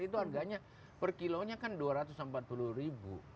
itu harganya per kilonya kan dua ratus empat puluh ribu